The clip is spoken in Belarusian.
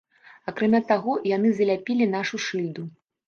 Акрамя таго яны заляпілі нашу шыльду.